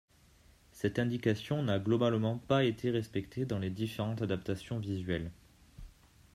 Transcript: Cette indication n'a globalement pas été respectée dans les différentes adaptations visuelles.